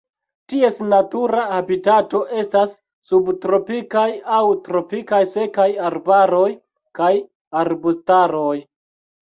Ties natura habitato estas subtropikaj aŭ tropikaj sekaj arbaroj kaj arbustaroj.